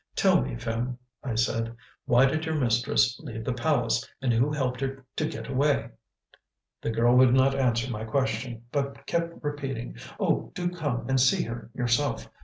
"Tell me, Phim," I said, "why did your mistress leave the palace, and who helped her to get away?" The girl would not answer my question, but kept repeating, "Oh! do come and see her yourself!